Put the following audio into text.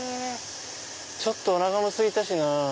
ちょっとおなかもすいたしなぁ。